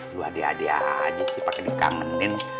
lo ade ade aja sih pake dikangenin